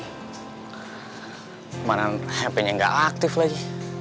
kemana hp nya gak aktif lagi